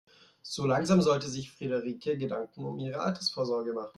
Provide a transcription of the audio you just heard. So langsam sollte sich Frederike Gedanken um ihre Altersvorsorge machen.